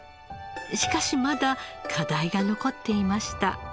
しかしまだ課題が残っていました。